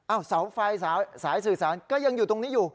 เสาไฟสายสื่อสารก็ยังอยู่ตรงนี้อยู่